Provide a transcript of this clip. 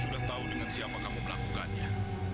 sudah tahu dengan siapa kamu melakukannya